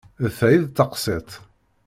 D ta i d taqṣit.